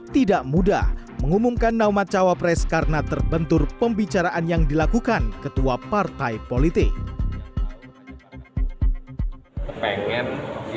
tidak mudah mengumumkan naumat cawa pres karena terbentur pembicaraan yang dilakukan ketua partai politik